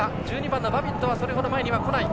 １２番のバビットは、それほど前には来ない。